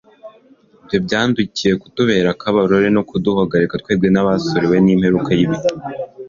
Ibyo byandikiwe «kutubera akabarore no kuduhugura twebwe abasohoreweho n'imperuka y'ibihe".»